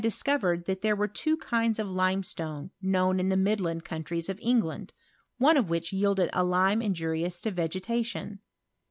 discovered that there wo kinds of limestone known in the midland 3s:of England, one of which yielded a lime us to vegetation.